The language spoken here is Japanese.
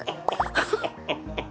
ハハハハハ！